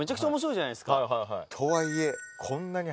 とはいえ。